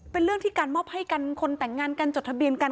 เป็นเรื่องที่การมอบให้กันคนแต่งงานกันจดทะเบียนกัน